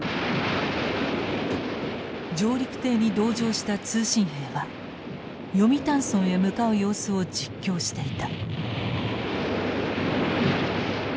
上陸艇に同乗した通信兵は読谷村へ向かう様子を実況していた。